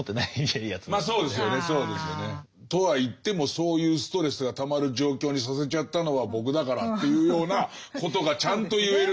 「とはいってもそういうストレスがたまる状況にさせちゃったのは僕だから」というようなことがちゃんと言える。